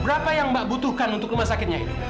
berapa yang mbak butuhkan untuk rumah sakitnya ini